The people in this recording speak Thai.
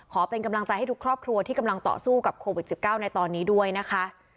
เป็นกำลังใจให้ทุกครอบครัวที่กำลังต่อสู้กับโควิด๑๙ในตอนนี้ด้วยนะคะ